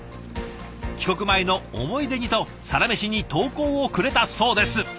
帰国前の思い出にと「サラメシ」に投稿をくれたそうです。